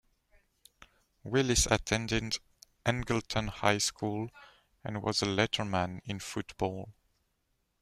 Willis attended Angleton High School and was a letterman in football.